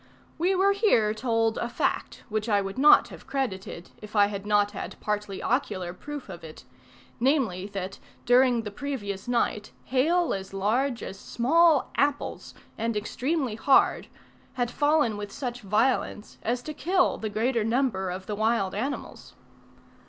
We were here told a fact, which I would not have credited, if I had not had partly ocular proof of it; namely, that, during the previous night hail as large as small apples, and extremely hard, had fallen with such violence, as to kill the greater number of the wild animals.